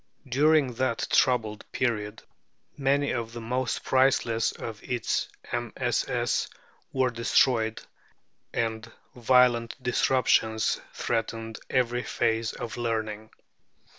During that troubled period many of the most priceless of its MSS. were destroyed, and violent disruptions threatened every phase of learning.